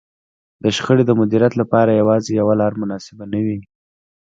د شخړې د مديريت لپاره يوازې يوه لار مناسبه نه وي.